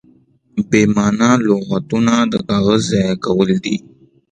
بې مانا لغتونه د کاغذ ضایع کول دي.